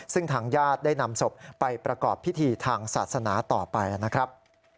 ซึ่งทางญาติได้นำศพไปประกอบพิธีทางศาสนาต่อไปนะครับ